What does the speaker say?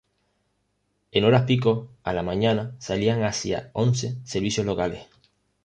En horas pico a la mañana salían hacia Once servicios locales.